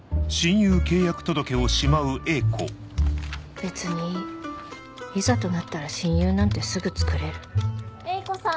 別にいいいざとなったら親友なんてすぐつくれる英子さん。